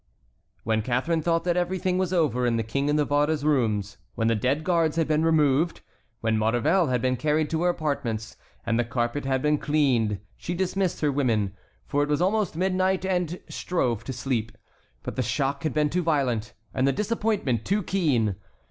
When Catharine thought that everything was over in the King of Navarre's rooms, when the dead guards had been removed, when Maurevel had been carried to her apartments, and the carpet had been cleaned, she dismissed her women, for it was almost midnight, and strove to sleep. But the shock had been too violent, and the disappointment too keen.